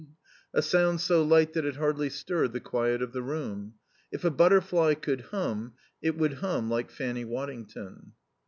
A sound so light that it hardly stirred the quiet of the room. If a butterfly could hum it would hum like Fanny Waddington.